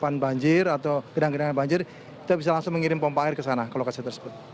karena banjir atau gedang gedangan banjir kita bisa langsung mengirim pompa air ke sana ke lokasi tersebut